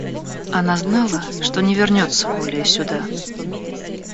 Она знала, что не вернется более сюда.